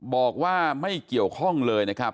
บอกว่าไม่เกี่ยวข้องเลยนะครับ